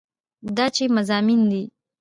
دا چې مضامين دي